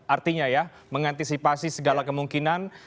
artinya ya mengantisipasi segala kemungkinan